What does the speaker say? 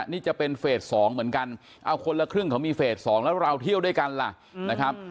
นี่จะเป็นเฟส๒เหมือนกันเอาคนละครึ่งเขามีเฟส๒แล้วเราเที่ยวด้วยกันล่ะนะครับ